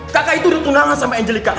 kakak itu ditunangan sama angelic kak